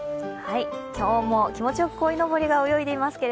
今日も気持ちよくこいのぼりが泳いでいますが